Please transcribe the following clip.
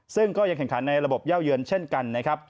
ซึ่งก็แข่งขันในระบบเย่าเยือนเช่นกัน